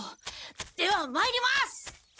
ではまいります！